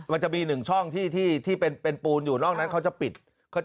มันจะมี๑ช่องที่เป็นปูนอยู่นอกนั้นเค้าจะปิดอิเล็กบ่อย